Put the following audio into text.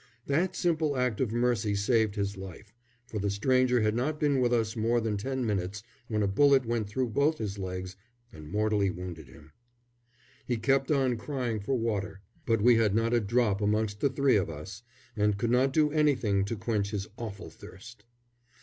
That simple act of mercy saved his life, for the stranger had not been with us more than ten minutes when a bullet went through both his legs and mortally wounded him. He kept on crying for water; but we had not a drop amongst the three of us, and could not do anything to quench his awful thirst.